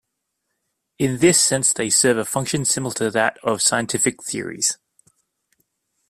In this sense, they serve a function similar to that of scientific theories.